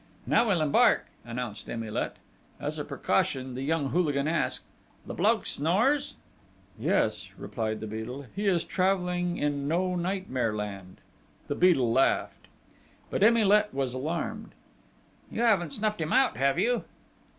"Now we'll embark," announced Emilet. As a precaution, the young hooligan asked: "The bloke snores?" "Yes," replied the Beadle. "He is travelling in No Nightmare Land...." The Beadle laughed. But Emilet was alarmed. "You haven't snuffed him out, have you?"